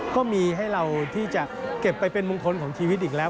ก็มีให้เราที่จะเก็บไปเป็นมงคลของชีวิตอีกแล้ว